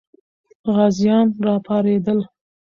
غازیان راپارېدل.